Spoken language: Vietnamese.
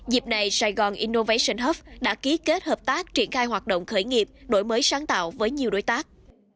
dịp này sài gòn innovation hub đã ký kết hợp tác triển khai hoạt động khởi nghiệp đổi mới sáng tạo với nhiều đối tác